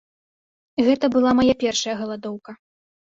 Гэта была мая першая галадоўка.